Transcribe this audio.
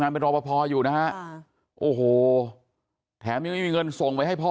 งานเป็นรอพอพออยู่นะโอ้โหแถมยังไม่มีเงินส่งไว้ให้พ่อ